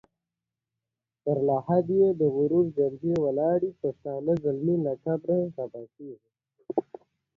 پکتیکا د افغان ماشومانو د زده کړې موضوع ده.